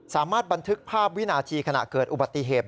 สามารถบันทึกภาพวินาทีขณะเกิดอุบัติเหตุ